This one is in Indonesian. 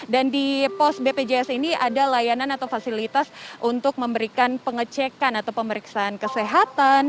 dan di pos bpjs ini ada layanan atau fasilitas untuk memberikan pengecekan atau pemeriksaan kesehatan